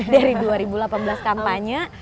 dari dua ribu delapan belas kampanye